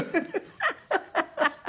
ハハハハ。